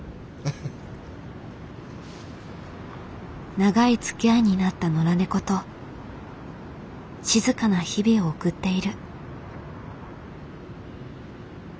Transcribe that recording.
長いつきあいになった野良猫と静かな日々を送っている。